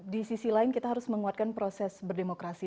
di sisi lain kita harus menguatkan proses berdemokrasi